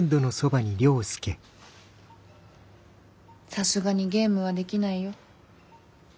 さすがにゲームはできないよ。